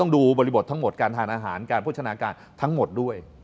ดูบริบททั้งหมดการทานอาหารการโภชนาการทั้งหมดด้วย